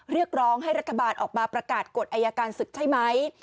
เรียกร้องให้รัฐบาลออกมาประกาศกฎอายการศึกใช่ไหม